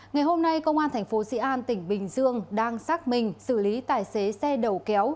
ngày hôm nay công an thành phố sĩ an tỉnh bình dương đang xác minh xử lý tài xế xe đầu kéo